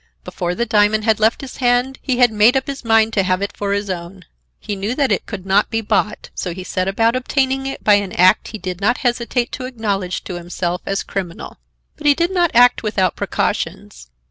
Before the diamond had left his hand he had made up his mind to have it for his own. He knew that it could not be bought, so he set about obtaining it by an act he did not hesitate to acknowledge to himself as criminal. But he did not act without precautions.